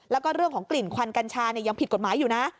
แล้วก็เรื่องของกลิ่นควันกัญชายังผิดกฎหมายอยู่นะ